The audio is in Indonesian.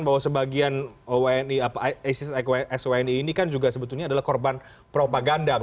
bahwa sebagian swni ini kan juga sebetulnya adalah korban propaganda